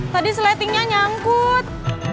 tadi seletingnya nyangkut